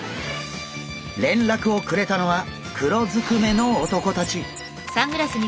連絡をくれたのは黒ずくめの男たち。